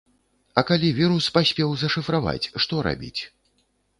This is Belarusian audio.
А калі вірус паспеў зашыфраваць, што рабіць?